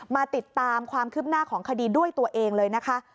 มาติดตามความคืบหน้าของคดีด้วยตัวเองเลยนะคะ